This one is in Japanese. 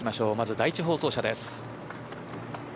第１放送車です。